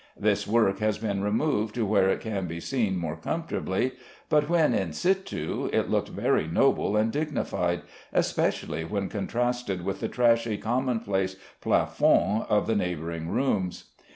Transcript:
This work has been removed to where it can be seen more comfortably, but when in situ it looked very noble and dignified, especially when contrasted with the trashy commonplace plafonds of the neighboring rooms.